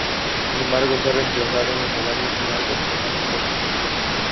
Sin embargo, fue reemplazado en el año final del programa por Michael Burger.